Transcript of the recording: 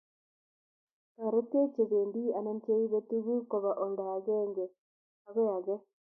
taretech che pendi anan cheibe tuguk koba olda agengei akoi age